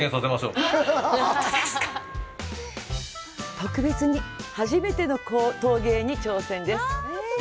特別に初めての陶芸に挑戦です。